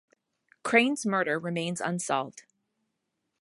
Crane's murder remains unsolved.